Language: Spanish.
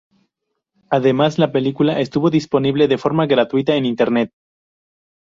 Además, la película estuvo disponible de forma gratuita en internet.